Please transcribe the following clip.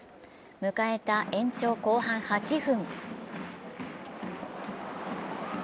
迎えた延長後半８分。